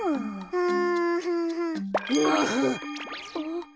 うん。